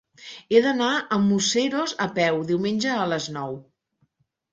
He d'anar a Museros a peu diumenge a les nou.